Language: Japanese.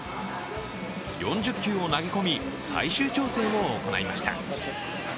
４０球を投げ込み最終調整を行いました。